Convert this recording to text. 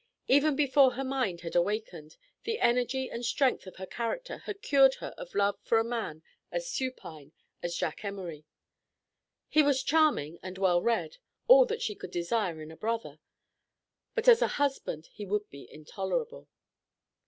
Even before her mind had awakened, the energy and strength of her character had cured her of love for a man as supine as Jack Emory. He was charming and well read, all that she could desire in a brother, but as a husband he would be intolerable.